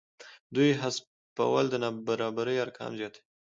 د دوی حذفول د نابرابرۍ ارقام زیاتوي